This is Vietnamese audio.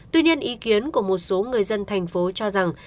tuy nhiên ý kiến của một số người dân thành phố cho rằng